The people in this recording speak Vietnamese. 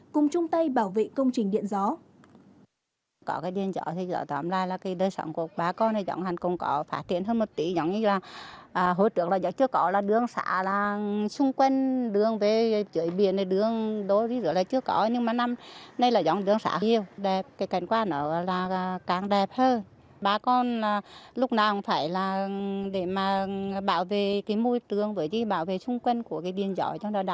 cùng chung tay bảo vệ công trình điện gió